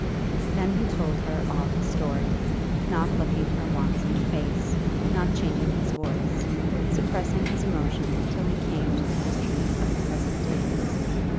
Then he told her all his story, not looking her once in the face, not changing his voice, suppressing his emotion till he came to the history of the present days.